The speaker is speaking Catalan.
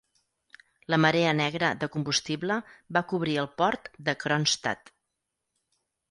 La marea negra de combustible va cobrir el port de Kronstadt.